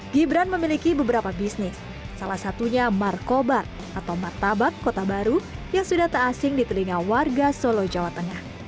gibran memiliki beberapa bisnis salah satunya markobar atau martabak kota baru yang sudah tak asing di telinga warga solo jawa tengah